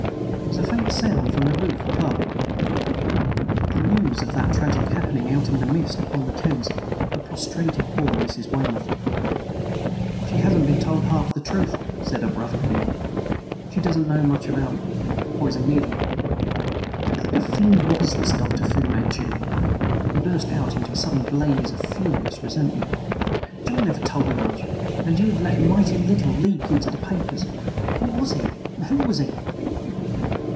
There was a faint sound from the room above. The news of that tragic happening out in the mist upon the Thames had prostrated poor Mrs. Weymouth. "She hasn't been told half the truth," said her brother in law. "She doesn't know about the poisoned needle. What kind of fiend was this Dr. Fu Manchu?" He burst out into a sudden blaze of furious resentment. "John never told me much, and you have let mighty little leak into the papers. What was he? Who was he?"